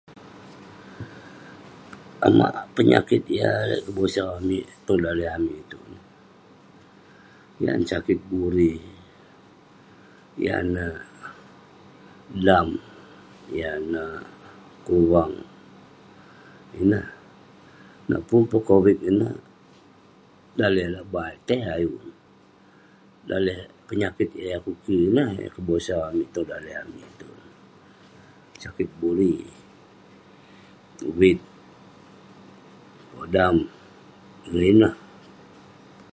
Amak penyakit yah..lalek kebosau amik, tong daleh amik itouk..yan neh sakit buri, yan neh, dam..yan neh, kuvang..ineh..nak pun peh covid ineh, daleh lak bai etey ayuk neh..daleh penyakit yah kunah kik ineh eh kobosau amik tong daleh amik itouk..sakit buri, vit, podam, ineh..